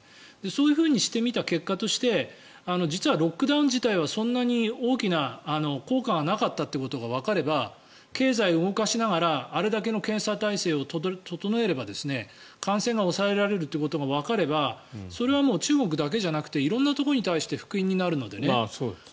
そういうふうにしてみた結果として実はロックダウン自体はそんなに大きな効果がなかったということがわかれば経済を動かしながらあれだけの検査体制を整えれば感染が抑えられるということがわかればそれは中国だけじゃなくて色んなところに対して福音になるので。